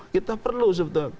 kita perlu sebetulnya